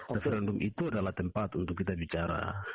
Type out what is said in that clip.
referendum itu adalah tempat untuk kita bicara